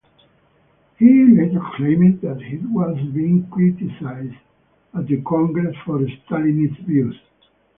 He later claimed that he has been criticised at the congress for Stalinist views.